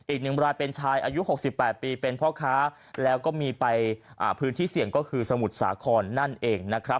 อีกหนึ่งรายเป็นชายอายุ๖๘ปีเป็นพ่อค้าแล้วก็มีไปพื้นที่เสี่ยงก็คือสมุทรสาครนั่นเองนะครับ